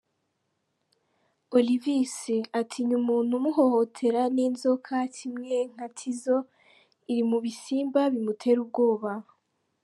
Olivis : Atinya umuntu umuhohotera n’inzoka, kimwe nka Tizzo iri mu bisimba bimutera ubwoba.